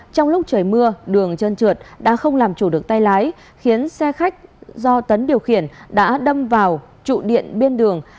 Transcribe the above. trong lúc trời mưa đường trơn trượt đã không làm chủ được tay lái khiến xe khách do tấn điều khiển đã đâm vào trụ điện bên đường